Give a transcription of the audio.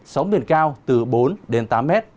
sóng biển cao từ bốn tám m